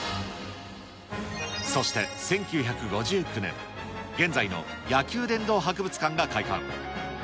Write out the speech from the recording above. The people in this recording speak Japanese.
そして１９５９年、現在の野球殿堂博物館が開館。